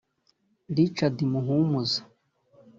Richard Muhumuza